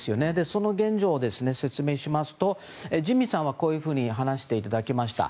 その現状を説明しますとジミーさんはこう話していただきました。